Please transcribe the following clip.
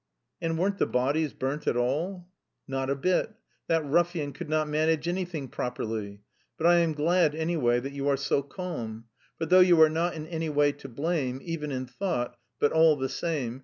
"And weren't the bodies burnt at all?" "Not a bit; that ruffian could not manage anything properly. But I am glad, anyway, that you are so calm... for though you are not in any way to blame, even in thought, but all the same....